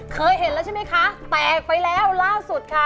เคยเห็นแล้วใช่ไหมคะแตกไปแล้วล่าสุดค่ะ